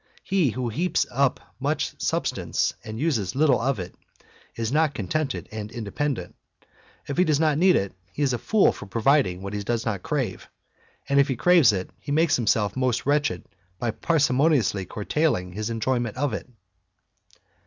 He who heaps up much substance and uses. little of it, is not con tented and independent. If he does not need it, he is a fool fot providing what he does not crave; and if he craves it, he makes himself wretched by parsi moniously curtailing his enjoyment of it.